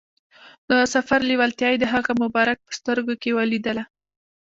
د سفر لیوالتیا یې د هغه مبارک په سترګو کې ولیدله.